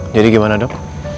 jadi gimana dok